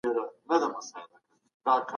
دا ورځ د ځان کتنې غوښتنه کوي.